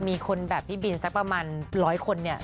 มีคนแบบพี่บินสักประมาณร้อยคนเนี่ย